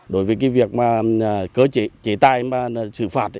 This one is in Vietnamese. đối với việc cớ chế tay mà xử phạt